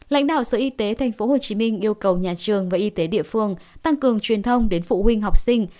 lãnh đạo sở y tế tp hcm yêu cầu nhà trường và y tế địa phương tăng cường truyền thông đến phụ huynh học sinh